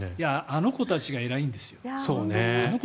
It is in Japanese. あの子たちが偉いんですよ。